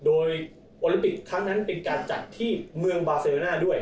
โดยโอลิมปิกครั้งนั้นเป็นการจัดที่เมืองบาเซโรน่าด้วย